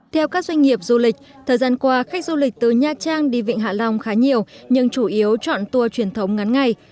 theo các doanh nghiệp du lịch thời gian qua khách du lịch từ nha trang đi vịnh hạ long khá nhiều nhưng chủ yếu chọn tour truyền thống ngắn ngày